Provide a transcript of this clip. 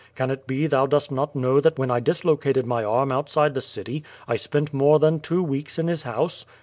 Can it be thou dost not know that when I dislocated my arm outside the city, I spent more than two weeks in his house?